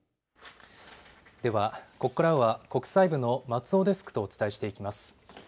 ここからは国際部の松尾デスクとお伝えしていきます。